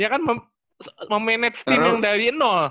dia kan memanage tim yang dari nol